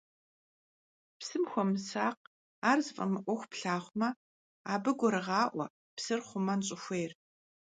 Psım xuemısakh, ar zıf'emı'uexu plhağume, abı gurığa'ue psır xhumen ş'ıxuêyr.